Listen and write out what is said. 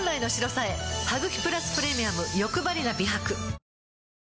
「ハグキプラスプレミアムよくばりな美白」